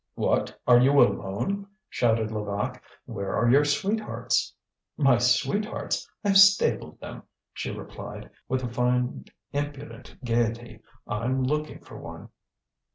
"What! are you alone?" shouted Levaque. "Where are your sweethearts?" "My sweethearts! I've stabled them," she replied, with a fine impudent gaiety. "I'm looking for one."